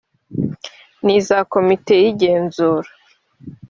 n iza komite y igenzura